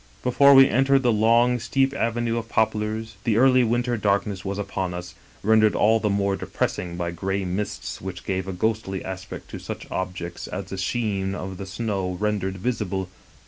" Before we entered the long, steep avenue of poplars, the early winter darkness was upon us, rendered all the more depressing by gray mists which gave a ghostly aspect to such objects as the sheen of the snow rendered visible.